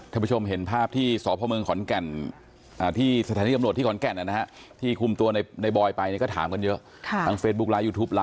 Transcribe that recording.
ดังนั้นก็ต้องขอขอบคุณแทนครอบครัวน้องปอนะคะ